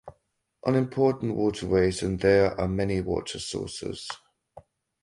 On important waterways and there are many water sources.